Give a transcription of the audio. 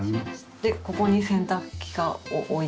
でここに洗濯機が置いて。